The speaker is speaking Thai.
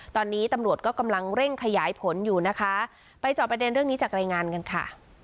ตอนนี้ตำรวจก็กำลังเร่งขยายผลอยู่นะคะไปจอบประเด็นเรื่องนี้จากรายงานกันค่ะ